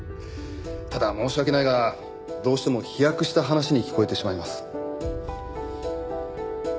ただ申し訳ないがどうしても飛躍した話に聞こえてしまいます。